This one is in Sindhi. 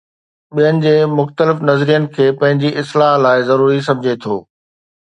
ٻين جي مختلف نظرين کي پنهنجي اصلاح لاءِ ضروري سمجهي ٿو.